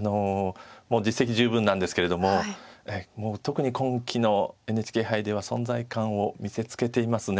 もう実績十分なんですけれども特に今期のＮＨＫ杯では存在感を見せつけています。